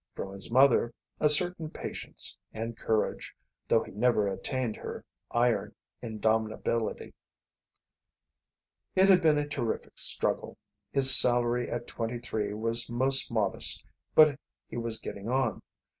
From his mother, a certain patience and courage, though he never attained her iron indomitability. It had been a terrific struggle. His salary at twenty three was most modest, but he was getting on.